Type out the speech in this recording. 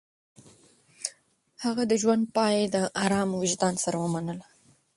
هغه د ژوند پاى د ارام وجدان سره ومنله.